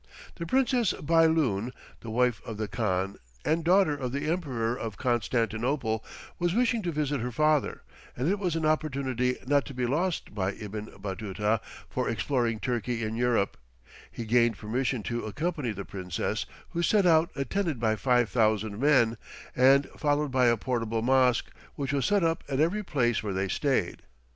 The Princess Bailun, the wife of the khan, and daughter of the Emperor of Constantinople, was wishing to visit her father, and it was an opportunity not to be lost by Ibn Batuta for exploring Turkey in Europe; he gained permission to accompany the princess, who set out attended by 5000 men, and followed by a portable mosque, which was set up at every place where they stayed.